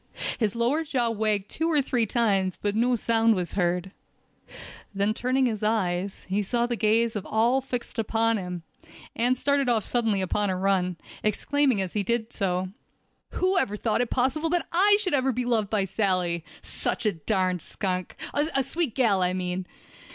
His lower jaw wagged two or three times, but no sound was heard. Then turning his eyes, he saw the gaze of all fixed upon him, and started off suddenly upon a run, exclaiming as he did so: "Who ever thought it possible that I should ever be loved by Sally—such a darn skunk—a sweet gal, I mean!"